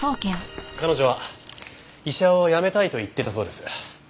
彼女は医者を辞めたいと言っていたそうです。